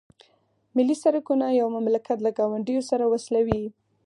ملي سرکونه یو مملکت له ګاونډیو سره وصلوي